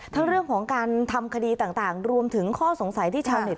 ทั้งเรื่องของการทำคดีต่างรวมถึงข้อสงสัยที่ชาวเน็ต